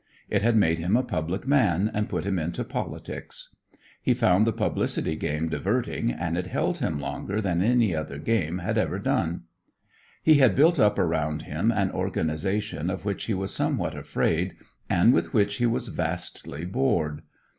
It had made him a public man and put him into politics. He found the publicity game diverting, and it held him longer than any other game had ever done. He had built up about him an organization of which he was somewhat afraid and with which he was vastly bored.